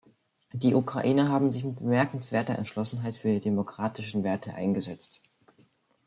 Die Ukrainer haben sich mit bemerkenswerter Entschlossenheit für die demokratischen Werte eingesetzt.